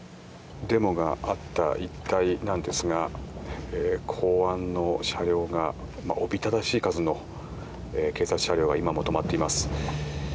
デモがあった一帯なんですが公安の車両がおびただしい数の警察車両が今も止まっています。